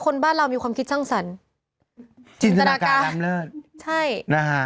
คนบ้านเรามีความคิดขั้งสรรจินธนาการข้ามเลิศใช่นะฮะ